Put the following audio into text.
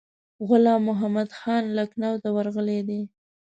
غلام محمدخان لکنهو ته ورغلی دی.